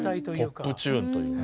ポップチューンというね。